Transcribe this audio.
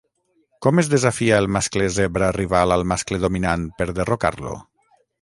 Com es desafia el mascle zebra rival al mascle dominant per derrocar-lo?